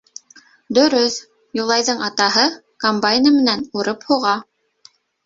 Дөрөҫ, Юлайҙың атаһы комбайны менән урып-һуға.